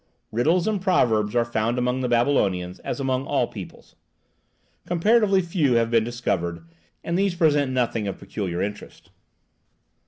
Riddles and Proverbs are found among the Babylonians, as among all peoples. Comparatively few have been discovered, and these present nothing of peculiar interest.